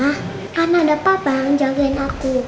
karena ada papa yang jagain aku